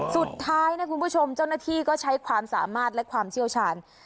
สุดท้ายนะคุณผู้ชมเจ้าหน้าที่ก็ใช้ความสามารถและความเชี่ยวชาญ